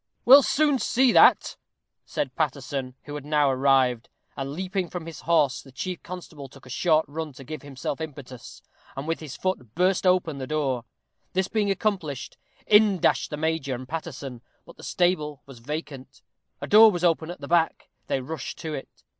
"We'll soon see that," said Paterson, who had now arrived; and, leaping from his horse, the chief constable took a short run to give himself impetus, and with his foot burst open the door. This being accomplished, in dashed the major and Paterson, but the stable was vacant. A door was open at the back; they rushed to it.